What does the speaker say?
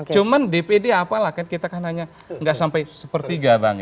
cuman dpd apalah kan kita kan hanya gak sampai sepertiga bang